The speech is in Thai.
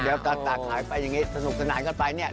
เดี๋ยวตากหายไปอย่างนี้สนุกสนานกันไปเนี่ย